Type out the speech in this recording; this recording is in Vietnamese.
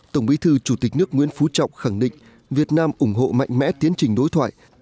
tổng bí thư chủ tịch nước nguyễn phú trọng khẳng định việt nam ủng hộ mạnh mẽ tiến trình đối thoại